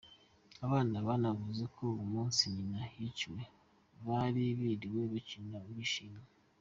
Abana banavuze ko ku munsi nyina yiciwe, bari biriwe bakina, bishimye.